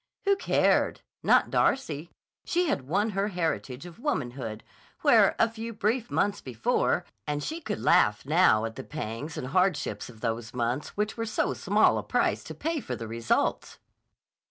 Who cared? Not Darcy. She had won her heritage of womanhood. Where, a few brief months before—and she could laugh now at the pangs and hardships of those months which were so small a price to pay for the results!